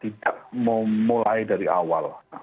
tidak memulai dari awal